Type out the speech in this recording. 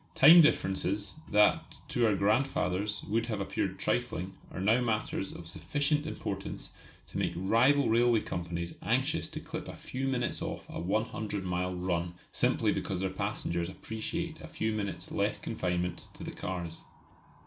Time differences that to our grandfathers would have appeared trifling are now matters of sufficient importance to make rival railway companies anxious to clip a few minutes off a 100 mile "run" simply because their passengers appreciate a few minutes' less confinement to the cars.